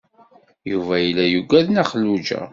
Yuba yella yugad Nna Xelluǧa.